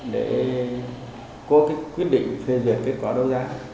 để có cái quyết định phê duyệt kết quả đấu giá